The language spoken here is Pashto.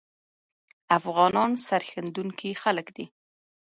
افغانان سرښندونکي خلګ دي